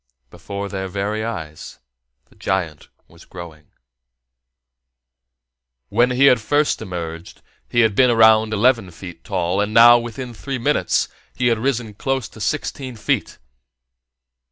Before their very eyes the giant was growing. When he had first emerged, he had been around eleven feet tall, and now, within three minutes, he had risen close to sixteen feet.